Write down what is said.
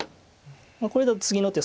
これだと次の手